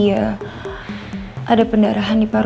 yaudah beli air smartphone